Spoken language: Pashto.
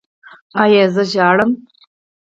ایا زه ژاړم؟